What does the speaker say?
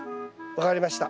分かりました。